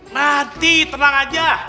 nanti tenang aja